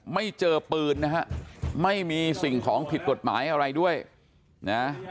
ไม่เจอปืนนะฮะไม่มีสิ่งของผิดกฎหมายอะไรด้วยนะ